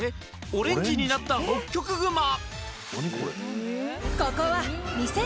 オレンジになったホッキョクグマ！